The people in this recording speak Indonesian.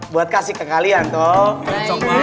buat kasih ke kalian tuh